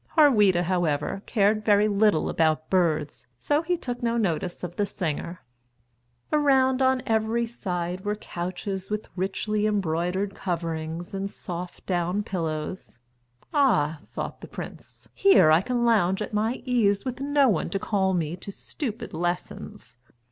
Harweda, however, cared very little about birds, so he took no notice of the singer. Around on every side were couches with richly embroidered coverings and soft down pillows. "Ah," thought the prince, "here I can lounge at my ease with no one to call me to stupid lessons!"